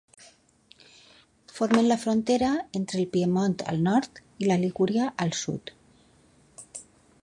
Formen la frontera entre el Piemont al nord i la Ligúria al sud.